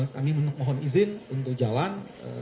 kami mohon izin untuk jalan